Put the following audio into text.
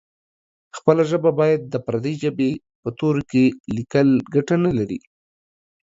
خپله ژبه باید د پردۍ ژبې په تورو کې لیکل ګټه نه لري.